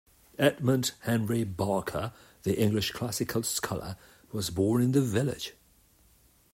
Edmund Henry Barker, the English classical scholar, was born in the village.